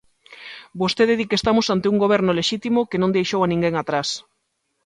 Vostede di que estamos ante un goberno lexítimo que non deixou a ninguén atrás.